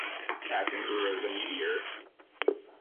Passing through as a meteor.